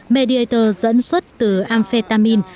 mediator dẫn suất từ amphetamine